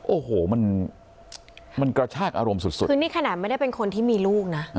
โอ้โหมันมันกระชากอารมณ์สุดสุดคือนี่ขนาดไม่ได้เป็นคนที่มีลูกนะ